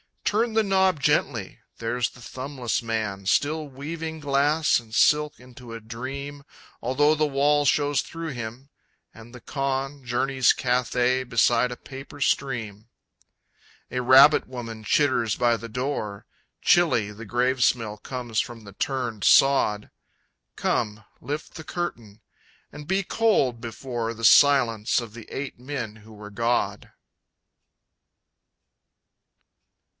Turn the knob gently! There's the Thumbless Man, Still weaving glass and silk into a dream, Although the wall shows through him and the Khan Journeys Cathay beside a paper stream. A Rabbit Woman chitters by the door Chilly the grave smell comes from the turned sod Come lift the curtain and be cold before The silence of the eight men who were God!